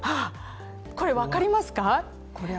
これ、分かりますか？